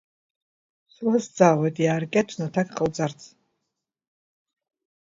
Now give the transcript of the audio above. Суазҵаауеит иааркьаҿны аҭак ҟоуҵарц…